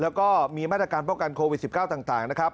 แล้วก็มีมาตรการป้องกันโควิด๑๙ต่างนะครับ